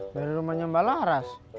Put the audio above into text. dari rumahnya mbak laras